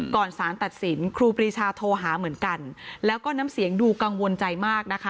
สารตัดสินครูปรีชาโทรหาเหมือนกันแล้วก็น้ำเสียงดูกังวลใจมากนะคะ